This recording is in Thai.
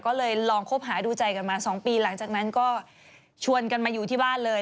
ก็เลยลองคบหาดูใจกันมา๒ปีหลังจากนั้นก็ชวนกันมาอยู่ที่บ้านเลย